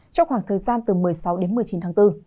trong khoảng thời gian từ một mươi sáu đến một mươi chín tháng bốn